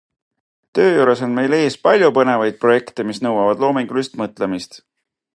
Töö juures on meil ees palju põnevaid projekte, mis nõuavad loomingulist mõtlemist.